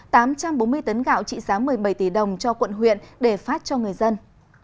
tám trăm bốn mươi tấn gạo trị giá một mươi bảy tỷ đồng cho quận huyện để phát cho người dân